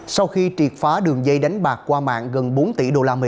sau khi triệt phá đường dây đánh bạc qua mạng gần bốn tỷ usd